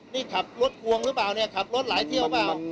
นี่ขับรถกวงหรือเปล่าเนี่ย